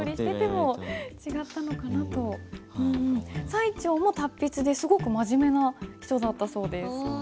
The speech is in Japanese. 最澄も達筆ですごく真面目な人だったそうです。